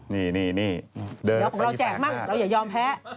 นี่นี่เดินไปที่สระข้าวเดี๋ยวของเราแจกมั่งเราอย่ายอมแพ้